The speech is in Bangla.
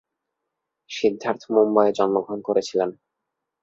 সিদ্ধার্থ মুম্বইয়ে জন্মগ্রহণ করেছিলেন।